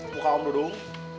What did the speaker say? muka om dudung